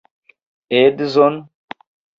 Edzon?